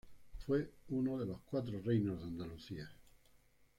Fue uno de los cuatro reinos de Andalucía.